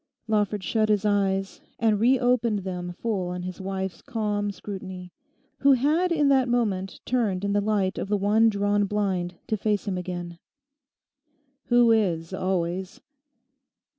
Lawford shut his eyes, and re opened them full on his wife's calm scrutiny, who had in that moment turned in the light of the one drawn blind to face him again. 'Who is? Always?